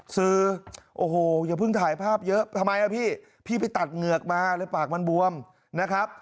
สื่อโอ้โหอย่าเพิ่งถ่ายภาพเยอะทำไมอ่ะพี่พี่ไปตัดเหงือกมาเลยปากมันบวมนะครับ